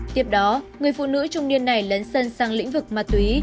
tiếp đó người phụ nữ trung niên này lấn sân sang lĩnh vực ma túy